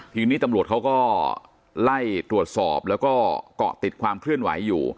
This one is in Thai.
ทีนี้ตำรวจเขาก็ไล่ตรวจสอบแล้วก็เกาะติดความเคลื่อนไหวอยู่